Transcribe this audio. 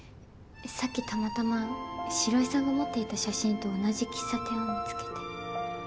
さっきたまたま城井さんの持っていた写真と同じ喫茶店を見つけて。